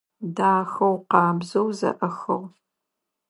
Дахэу, къабзэу зэӏэхыгъ.